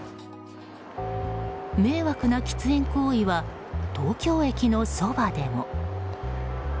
迷惑な喫煙行為は東京駅のそばでも。